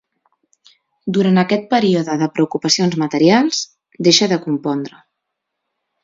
Durant aquest període de preocupacions materials, deixa de compondre.